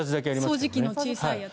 掃除機の小さいやつ。